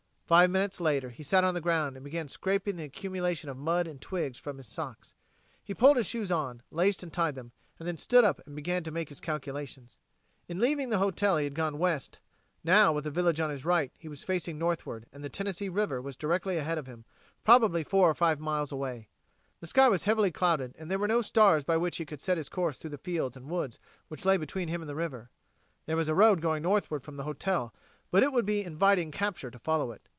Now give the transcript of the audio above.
Five minutes later, he sat on the ground and began scraping the accumulation of mud and twigs from his socks. He pulled his shoes on, laced and tied them; then he stood up and began to make his calculations. In leaving the hotel he had gone west; now, with the village on his right, he was facing northward, and the Tennessee River was directly ahead of him, probably four or five miles. The sky was heavily clouded and there were no stars by which he could set his course through the fields and woods which lay between him and the river. There was a road going northward from the hotel, but it would be inviting capture to follow it.